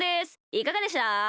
いかがでした？